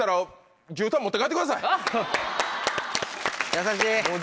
優しい。